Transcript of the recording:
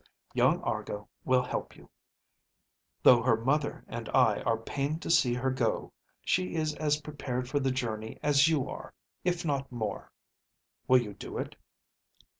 Young Argo will help you. Though her mother and I are pained to see her go, she is as prepared for the journey as you are, if not more. Will you do it?"